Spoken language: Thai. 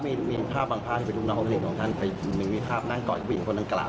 มีภาพบางภาพที่เป็นลูกน้องของท่านมีภาพนั่งก่อนก็เป็นคนด้านกลาง